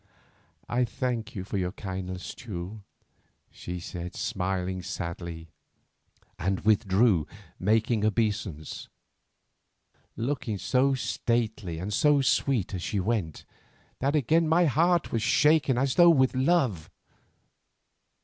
"I thank you for your kindness, Teule," she said smiling sadly, and withdrew making obeisance, looking so stately and so sweet as she went, that again my heart was shaken as though with love.